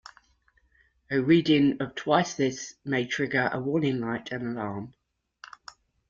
A reading of twice this may trigger a warning light or alarm.